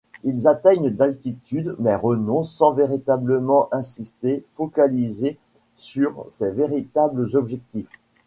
Ils atteignent d'altitude mais renoncent sans véritablement insister, focalisés sur leur véritable objectif.